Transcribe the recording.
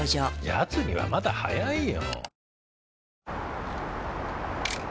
やつにはまだ早いよ。